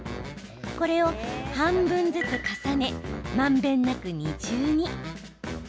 これを半分ずつ重ねまんべんなく二重に。